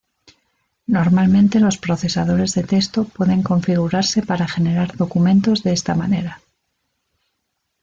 Normalmente los procesadores de texto pueden configurarse para generar documentos de esta manera.